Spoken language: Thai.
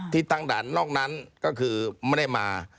ที่ตั้งด่านนอกนั้นก็ไม่ได้มา